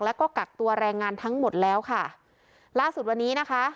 แล้วก็กักตัวแรงงานทั้งหมดแล้วค่ะล่าสุดวันนี้นะคะ